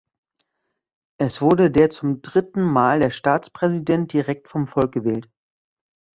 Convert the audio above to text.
Es wurde der zum dritten Mal der Staatspräsident direkt vom Volk gewählt.